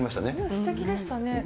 すてきでしたね。